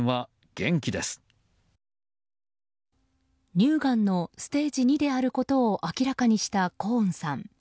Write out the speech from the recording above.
乳がんのステージ２であることを明らかにしたコーンさん。